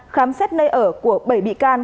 khám xét nơi ở của bảy bị can